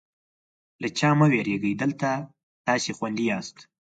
له چا مه وېرېږئ، دلته تاسې خوندي یاست.